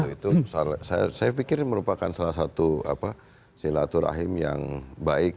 itu saya pikir merupakan salah satu silaturahim yang baik